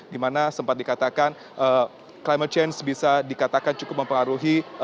di mana sempat dikatakan climate change bisa dikatakan cukup mempengaruhi